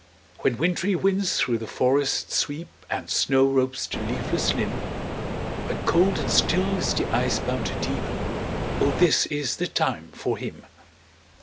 When wintry winds thro' the forests sweep, And snow robes the leafless limb; When cold and still is the ice bound deep, O this is the time for him.